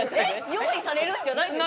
用意されるんじゃないんですか？